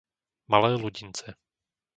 Malé Ludince